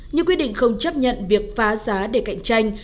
như quyết định không chấp nhận việc phá giá để cạnh tranh